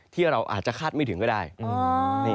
ที่เราอาจจะคาดไม่ถึงก็ได้